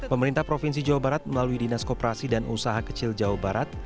pemerintah provinsi jawa barat melalui dinas koperasi dan usaha kecil jawa barat